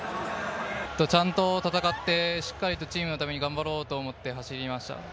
ちゃんと戦って、しっかりとチームのために頑張ろうと走りました。